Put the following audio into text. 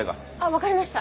わかりました。